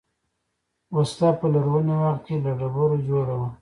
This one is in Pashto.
وسله په لرغوني وخت کې له ډبرو جوړه وه